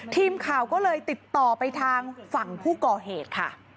ทีมข่าวก็เลยติดต่อไปทางฝั่งผู้ก่อเหตุค่ะ